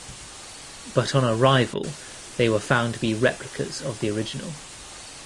But on arrival, they were found to be replicas of the original.